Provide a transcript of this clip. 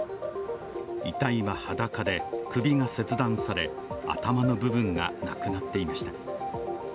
遺体は裸で、首が切断され頭の部分がなくなっていました。